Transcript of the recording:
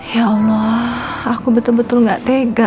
ya allah aku betul betul gak tega